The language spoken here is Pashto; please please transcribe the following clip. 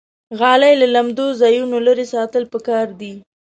غالۍ له لمدو ځایونو لرې ساتل پکار دي.